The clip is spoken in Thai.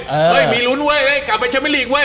เฮ้ยมีลุ้นเว้ยเฮ้ยกลับไปชมเป็นลีกเว้